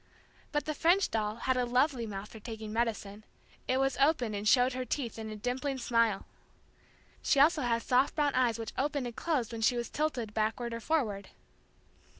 But the French doll had a lovely mouth for taking medicine; it was open and showed her teeth in a dimpling smile. She also had soft brown eyes which opened and closed when she was tilted backward or forward.